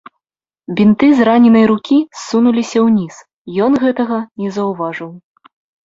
Бінты з раненай рукі ссунуліся ўніз, ён гэтага не заўважыў.